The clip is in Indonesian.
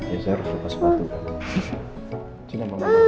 ya saya harus lupa sepatu